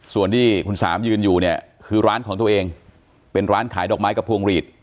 ส่วนที่คุณสามยืนอยู่เนี่ยคือร้านของตัวเองเป็นร้านขายดอกไม้กับพวงหลีด